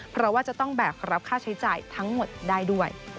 เพราะว่าจะต้องแบกรับค่าใช้จ่ายทั้งหมดได้ด้วย